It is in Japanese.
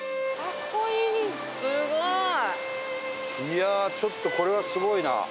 いやあちょっとこれはすごいな。